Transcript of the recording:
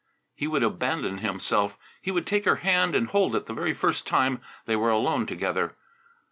He would abandon himself. He would take her hand and hold it the very first time they were alone together.